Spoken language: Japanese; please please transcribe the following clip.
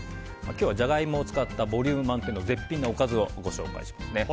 今日はジャガイモを使ったボリューム満点の絶品のおかずをご紹介します。